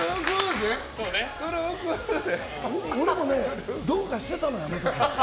俺もね、どうかしてたの、あの時。